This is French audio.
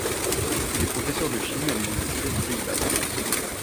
Il est professeur de chimie à l'université du Pays basque.